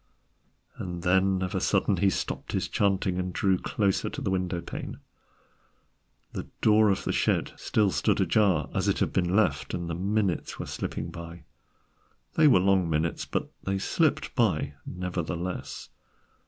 And then of a sudden he stopped his chanting and drew closer to the window pane. The door of the shed still stood ajar as it had been left, and the minutes were slipping by. They were long minutes, but they slipped by nevertheless.